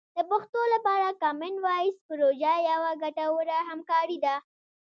د پښتو لپاره کامن وایس پروژه یوه ګټوره همکاري ده.